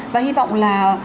và hy vọng là